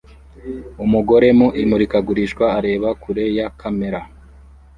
Umugore mu imurikagurisha areba kure ya kamera